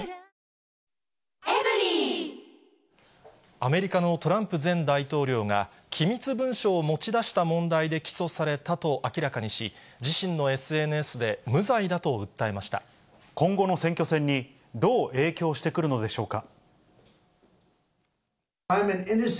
アメリカのトランプ前大統領が、機密文書を持ち出した問題で起訴されたと明らかにし、自身のＳＮ今後の選挙戦に、どう影響してくるのでしょうか。